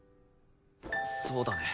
そうだね。